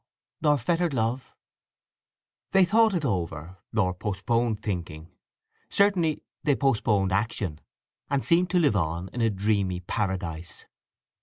Nor fetter'd love… They thought it over, or postponed thinking. Certainly they postponed action, and seemed to live on in a dreamy paradise.